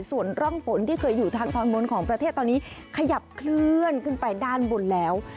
ส่วนร่องฝนที่เคยอยู่ทางตอนบนของประเทศตอนนี้ขยับเคลื่อนขึ้นไปด้านบนแล้ว